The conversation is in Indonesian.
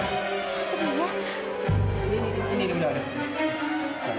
nah ini kamarnya